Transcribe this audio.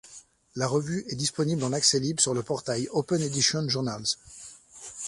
La revue est disponible en accès libre sur le portail OpenEdition Journals.